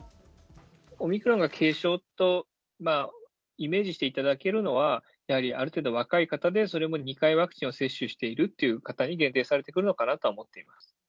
オミクロンが軽症とイメージしていただけるのは、やはりある程度若い方で、それも２回ワクチンを接種しているっていう方に限定されてくるのかなと思っています。